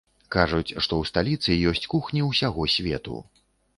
Кажуць, што ў сталіцы ёсць кухні ўсяго свету.